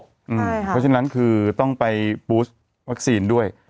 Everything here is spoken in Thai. เพราะฉะนั้นคือต้องไปบูสวัคซีนด้วย